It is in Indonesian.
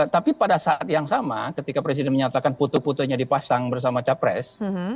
tapi pada saat yang sama ketika presiden menyatakan foto fotonya dipasang bersama capres